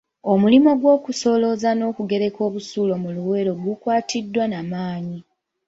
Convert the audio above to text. Omulimu gw’okusolooza n’okugereka busuulu mu Luweero gukwatiddwa na maanyi.